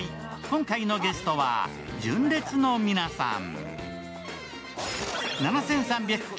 今回のゲストは純烈の皆さん。